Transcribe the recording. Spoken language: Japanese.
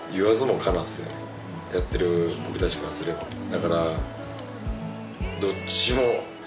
だから。